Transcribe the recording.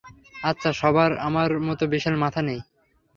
আচ্ছা, সবার আমার মতো বিশাল মাথা নেই।